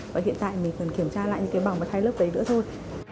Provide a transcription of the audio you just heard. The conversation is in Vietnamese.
và hiện tại mình chỉ cần kiểm tra lại những cái bằng mật hai lớp đấy nữa thôi